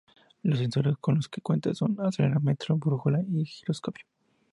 Los sensores con los que cuenta son: acelerómetro, brújula y giróscopo.